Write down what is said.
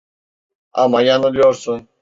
Ama yanılıyorsun.